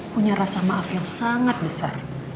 punya rasa maaf yang sangat besar